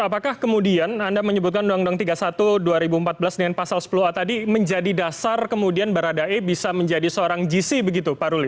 apakah kemudian anda menyebutkan undang undang tiga puluh satu dua ribu empat belas dengan pasal sepuluh a tadi menjadi dasar kemudian baradae bisa menjadi seorang gc begitu pak ruli